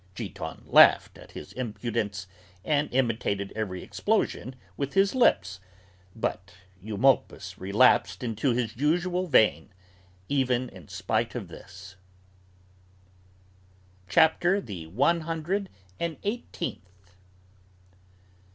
Giton laughed at his impudence and imitated every explosion with his lips, {but Eumolpus relapsed into his usual vein, even in spite of this.} CHAPTER THE ONE HUNDRED AND EIGHTEENTH.